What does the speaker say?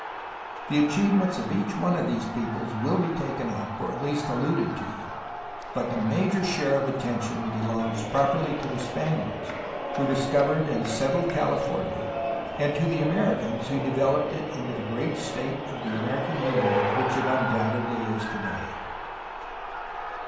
The achievements of each one of these peoples will be taken up, or at least alluded to, but the major share of attention belongs properly to the Spaniards, who dis covered and settled California, and to the Americans, who developed it into the great state of the American Union which it undoubtedly is today.